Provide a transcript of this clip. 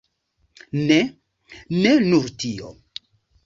Ne, ne nur tio.